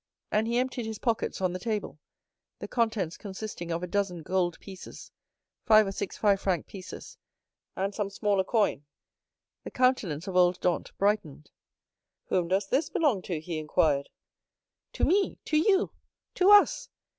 And he emptied his pockets on the table, the contents consisting of a dozen gold pieces, five or six five franc pieces, and some smaller coin. The countenance of old Dantès brightened. "Whom does this belong to?" he inquired. "To me, to you, to us!